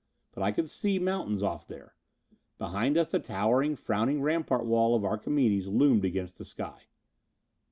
But I could see mountains off there. Behind us the towering, frowning rampart wall of Archimedes loomed against the sky.